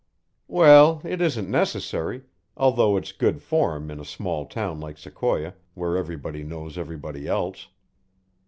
"Well, it isn't necessary, although it's good form in a small town like Sequoia, where everybody knows everybody else."